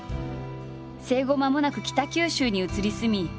生後まもなく北九州に移り住み